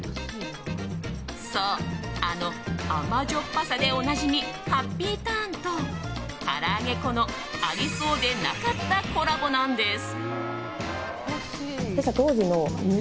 そう、あの甘じょっぱさでおなじみ、ハッピーターンとから揚げ粉のありそうでなかったコラボなんです。